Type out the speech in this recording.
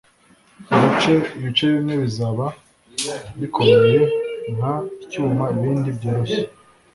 ibice Ibice bimwe bizaba bikomeye nk icyuma ibindi byoroshye